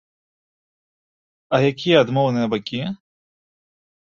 А якія адмоўныя бакі?